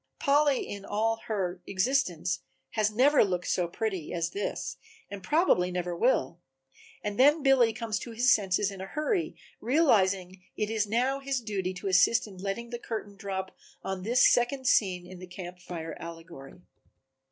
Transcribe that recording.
Polly in all her existence has never looked so pretty as this and probably never will, and then Billy comes to his senses in a hurry, realizing that it is now his duty to assist in letting the curtain drop on this second scene in the Camp Fire allegory.